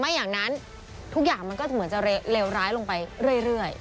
อย่างนั้นทุกอย่างมันก็เหมือนจะเลวร้ายลงไปเรื่อย